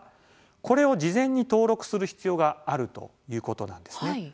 これを事前に登録する必要があるということなんですね。